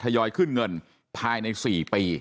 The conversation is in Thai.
ยอยขึ้นเงินภายใน๔ปี